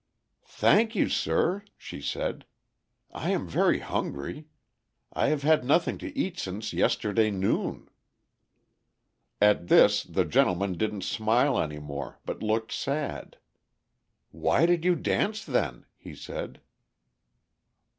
"Thank you, sir," she said. "I am very hungry. I have had nothing to eat since yesterday noon." At this the gentleman didn't smile any more, but looked sad. "Why did you dance, then?" he said.